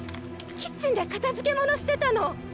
キッチンで片づけ物してたのッ！